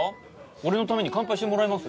俺のために乾杯してもらえます？